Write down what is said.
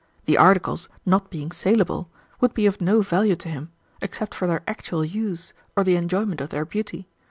The articles, not being salable, would be of no value to him except for their actual use or the enjoyment of their beauty.